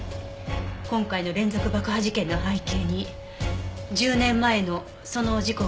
今回の連続爆破事件の背景に１０年前のその事故があるのは確実です。